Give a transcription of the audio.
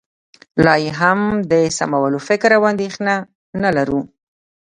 لا یې هم د سمولو فکر او اندېښنه نه لرو